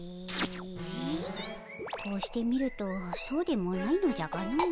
こうして見るとそうでもないのじゃがのう。